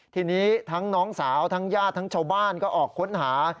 ทีนี้ทั้งน้องสาวทั้งญาติทั้งชาวบ้านก็ออกค้นหา